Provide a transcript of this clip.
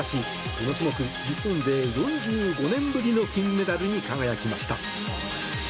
この種目、日本勢４５年ぶりの金メダルに輝きました。